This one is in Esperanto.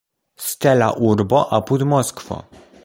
Stela Urbo apud Moskvo.